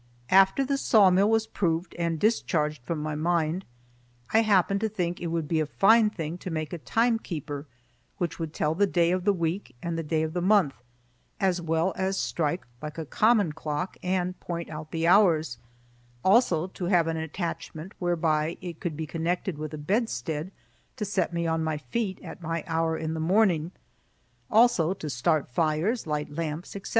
After the sawmill was proved and discharged from my mind, I happened to think it would be a fine thing to make a timekeeper which would tell the day of the week and the day of the month, as well as strike like a common clock and point out the hours; also to have an attachment whereby it could be connected with a bedstead to set me on my feet at any hour in the morning; also to start fires, light lamps, etc.